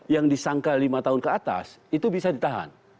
yang disangka lima tahun ke atas itu bisa ditahan